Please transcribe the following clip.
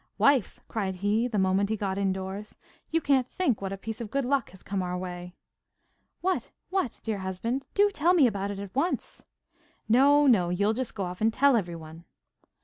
'Wife!' cried he, the moment he got indoors. 'You can't think what a piece of good luck has come our way.' 'What, what, dear husband? Do tell me all about it at once.' 'No, no, you'll just go off and tell everyone.